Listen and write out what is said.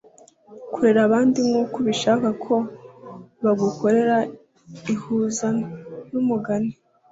korera abandi nkuko ubishaka ko bagukorera ihuza numugani